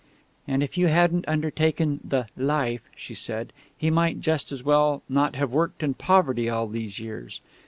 "And if you hadn't undertaken the 'Life,'" she said, "he might just as well not have worked in poverty all these years.